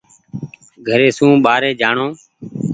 گھري سون ٻآري جآڻو۔